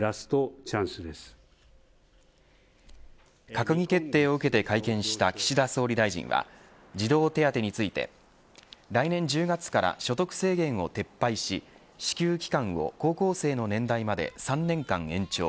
閣議決定を受けて会見した岸田総理大臣は児童手当について来年１０月から所得制限を撤廃し支給期間を高校生の年代まで３年間延長。